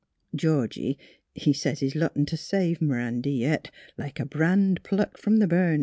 Georgie, he sez he's lottin' t' save M 'randy yit, like a brand plucked f 'om th' burnin'.